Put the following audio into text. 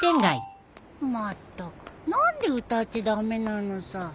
まったく何で歌っちゃ駄目なのさ。